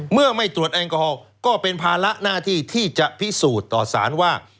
เมื่อไม่ตรวจแอลกอฮอลก็เป็นภาระหน้าที่ที่จะพิสูจน์ต่อสารว่า